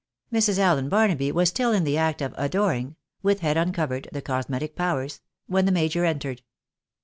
Mrs. Allen Barnaby was stiU in the act of adoring — With head uncovered, the cosmetic powers— when the major entered.